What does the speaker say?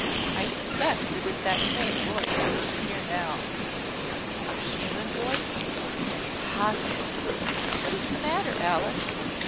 I suspect it is that same voice which we hear now." "A human voice! Impossible!" "What is the matter, Alice?"